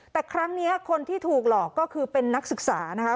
แต่ครั้งนี้คนที่ถูกหลอกก็คือเป็นนักศึกษานะคะ